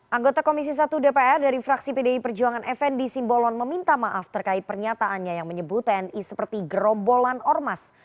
anggota komisi satu dpr dari fraksi pdi perjuangan fnd simbolon meminta maaf terkait pernyataannya yang menyebut tni seperti gerombolan ormas